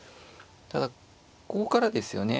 ただここからですよね。